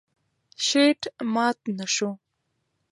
شیټ مات نه شو.